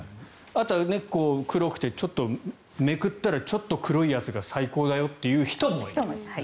あとは黒くてめくったらちょっと黒いやつが最高だよっていう人もいる。